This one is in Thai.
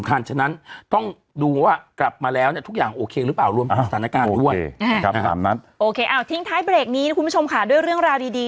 แค่นั่นแหละเขาบอกกำหนดกลับควรเนาะจะไปกรกฎาคมเหมือนเดิม